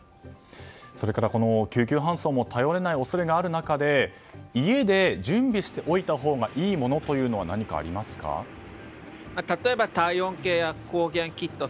それから救急搬送も頼れない恐れがある中で家で準備しておいたほうがいいものは例えば、体温計や抗原キット